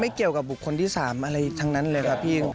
เกี่ยวกับบุคคลที่๓อะไรทั้งนั้นเลยค่ะพี่